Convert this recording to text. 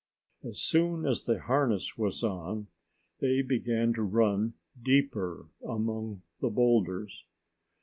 As soon as the harness was on, they began to run deeper among the boulders.